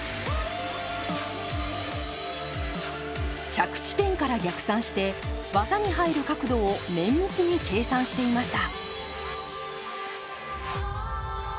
着地点から逆算して技に入る角度を綿密に計算していました。